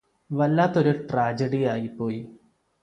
വല്ലാത്തൊരു ട്രാജഡിയായിപ്പോയി